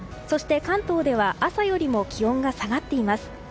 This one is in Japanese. そして、関東では朝よりも気温が下がっています。